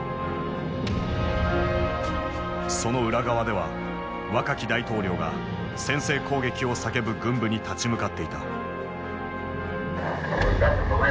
その裏側では若き大統領が先制攻撃を叫ぶ軍部に立ち向かっていた。